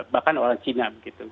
bahkan orang cina